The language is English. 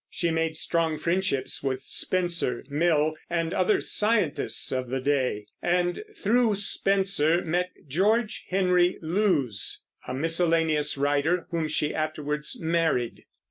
She made strong friendships with Spencer, Mill, and other scientists of the day, and through Spencer met George Henry Lewes, a miscellaneous writer, whom she afterwards married.